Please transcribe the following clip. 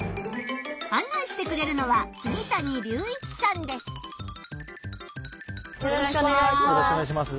あん内してくれるのはよろしくお願いします。